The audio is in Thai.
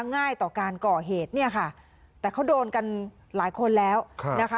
ง่ายต่อการก่อเหตุเนี่ยค่ะแต่เขาโดนกันหลายคนแล้วนะคะ